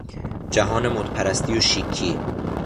جهان مد پرستی و شیکی